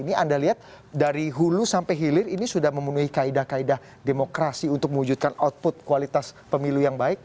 ini anda lihat dari hulu sampai hilir ini sudah memenuhi kaedah kaedah demokrasi untuk mewujudkan output kualitas pemilu yang baik